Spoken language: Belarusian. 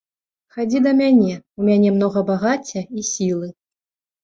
Хадзі да мяне, у мяне многа багацця і сілы.